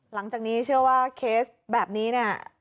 หลังจากนี้เชื่อว่าเคสแบบนี้เนี่ย